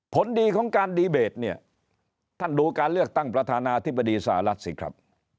ผลดีของการดีเบตเนี่ยท่านดูการเลือกตั้งประธานาธิบดีสหรัฐสิครับ